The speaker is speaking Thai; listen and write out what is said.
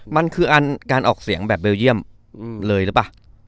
มันคือการออกเสียงแบบเบลเยี่ยมเลยหรือเปล่า